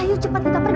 ayo cepat kita pergi